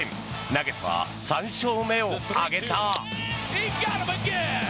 投げては３勝目を挙げた。